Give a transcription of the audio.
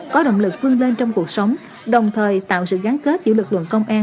có động lực phương lên trong cuộc sống đồng thời tạo sự gắn kết giữa lực lượng công an